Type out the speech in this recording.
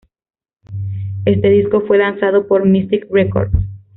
Este disco fue lanzado por Mystic Records.